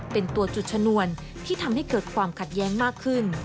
เป็นตัวจุดชนวนที่ทำให้เกิดความขัดแย้งมากขึ้น